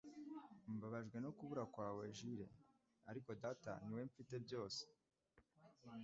Mbabajwe no kubura kwawe, Jule, ariko data, niwe mfite byose.